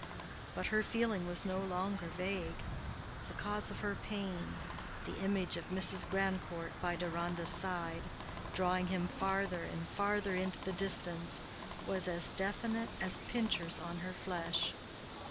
But her feeling was no longer vague: the cause of her pain—the image of Mrs. Grandcourt by Deronda's side, drawing him farther and farther into the distance, was as definite as pincers on her flesh.